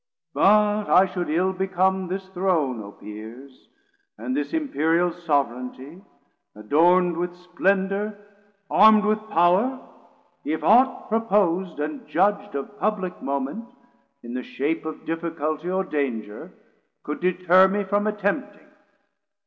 But I should ill become this Throne, O Peers, And this Imperial Sov'ranty, adorn'd With splendor, arm'd with power, if aught propos'd And judg'd of public moment, in the shape Of difficulty or danger could deterre Me from attempting.